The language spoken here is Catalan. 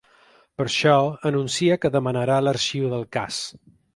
Per això, anuncia que demanarà l’arxiu del cas.